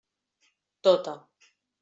Tota.